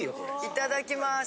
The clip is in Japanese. いただきます。